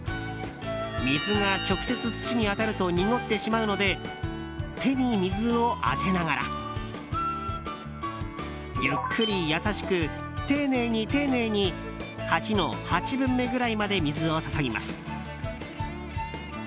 水が直接、土に当たると濁ってしまうので手に水を当てながらゆっくり優しく、丁寧に丁寧に鉢の８分目ぐらいまで水を注ぎます。